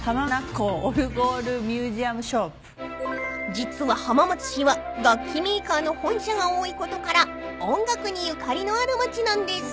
［実は浜松市は楽器メーカーの本社が多いことから音楽にゆかりのある町なんです］